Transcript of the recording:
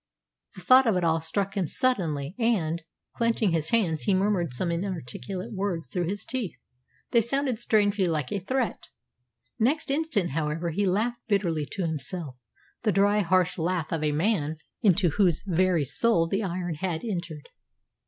The thought of it all struck him suddenly; and, clenching his hands, he murmured some inarticulate words through his teeth. They sounded strangely like a threat. Next instant, however, he laughed bitterly to himself the dry, harsh laugh of a man into whose very soul the iron had entered.